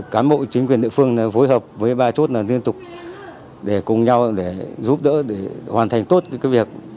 cán bộ chính quyền địa phương phối hợp với ba chốt liên tục để cùng nhau giúp đỡ hoàn thành tốt việc